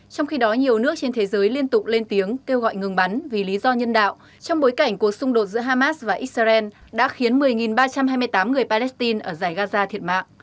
trong khi đó nhiều nước trên thế giới liên tục lên tiếng kêu gọi ngừng bắn vì lý do nhân đạo trong bối cảnh cuộc xung đột giữa hamas và israel đã khiến một mươi ba trăm hai mươi tám người palestine ở giải gaza thiệt mạng